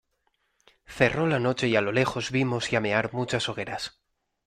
cerró la noche y a lo lejos vimos llamear muchas hogueras.